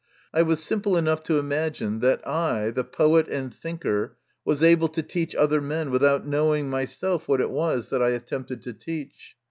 I was simple enough to imagine that I, the poet and thinker, was able to teach other men without knowing myself what it was that I attempted to teach.